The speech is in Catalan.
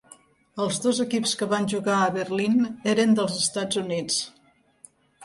Els dos equips que van jugar a Berlín eren dels Estats Units.